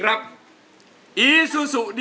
แล้วมันต่อ